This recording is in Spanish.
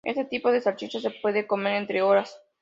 Este tipo de salchicha se suele comer entre horas.